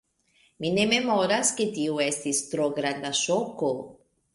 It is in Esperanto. Mi ne memoras, ke tio estis tro granda ŝoko.